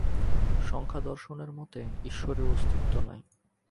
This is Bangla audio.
সাংখ্যদর্শনের মতে ঈশ্বরের অস্তিত্ব নাই।